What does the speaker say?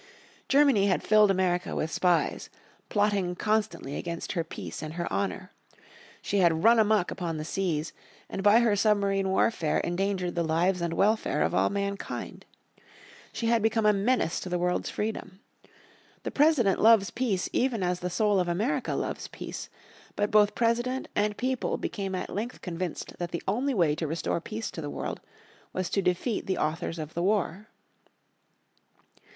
Germany had filled America with spies, plotting constantly against her peace and her honour. She had run amuck upon the seas, and by her submarine warfare endangered the lives and welfare of all mankind. She had become a menace to the world's freedom. The President loves peace even as the soul of America loves peace. But both President and people became at length convinced that the only way to restore peace to the world was to defeat the authors of the war.